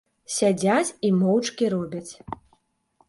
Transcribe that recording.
Сядзяць і моўчкі робяць.